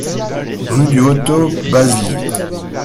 Rue du Hottot, Basly